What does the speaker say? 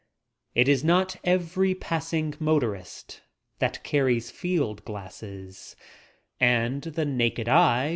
It is not every passing motorist that carries field glasses — and the naked eye does